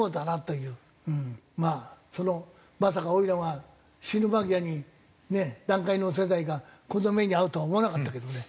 まあそのまさかおいらが死ぬ間際にね団塊の世代がこんな目に遭うとは思わなかったけどね。